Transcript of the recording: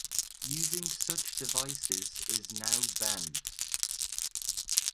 Using such devices is now banned.